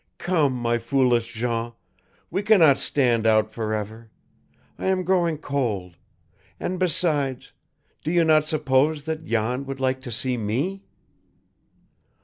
"Come, my foolish Jean, we can not stand out for ever. I am growing cold. And besides, do you not suppose that Jan would like to see ME?"